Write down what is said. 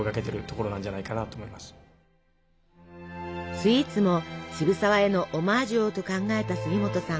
スイーツも渋沢へのオマージュをと考えた杉本さん。